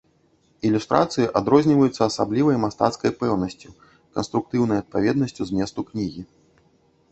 Ілюстрацыі адрозніваюцца асаблівай мастацкай пэўнасцю, канструктыўнай адпаведнасцю зместу кнігі.